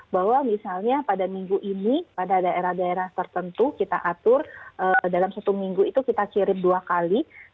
bahwa misalnya pada minggu ini pada daerah daerah tertentu kita atur dalam satu minggu itu kita kirim dua kali